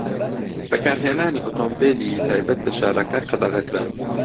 بەکارهێنانی ئۆتۆمبێلی تایبەت لە شارەکە قەدەغە کرا.